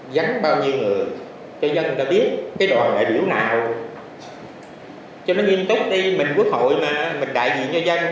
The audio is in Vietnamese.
rắn bao nhiêu người cho dân biết cái đòi đại biểu nào cho nó nghiên tốc đi mình quốc hội mà mình đại diện cho dân